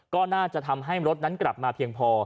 ก็น่าจะทำให้รถนั้นกลับมาเพียงพอ